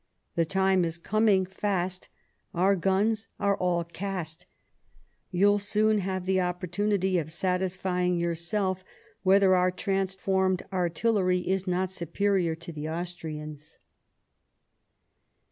The time is coming fast ; our guns are all cast ; you'll soon have the opportunity of satisfying yourself whether our transformed artillery is not superior to the Aus trians'."